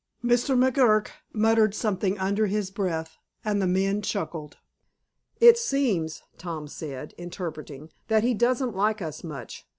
Mr. McGuirk muttered something under his breath, and the men chuckled. "It seems," Tom said, interpreting, "that he doesn't like us much.